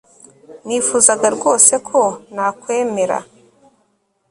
Nifuzaga rwose ko nakwemera